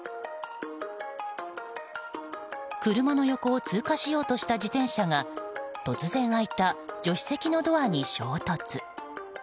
車の横を通過しようとした自転車が突然開いた助手席のドアに衝突。